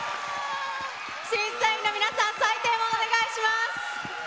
審査員の皆さん、採点をお願いします。